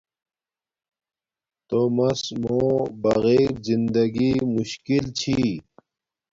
تومس موں بغیر زندگی مشکل چھی